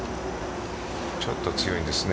ちょっと強いですね